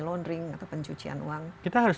laundering atau pencucian uang kita harus